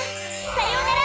さようなら！